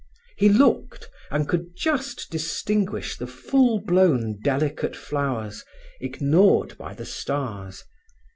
He looked, and could just distinguish the full blown, delicate flowers, ignored by the stars.